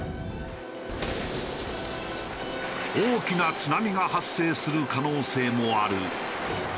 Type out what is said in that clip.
大きな津波が発生する可能性もある。